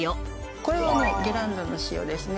これはゲランドの塩ですね。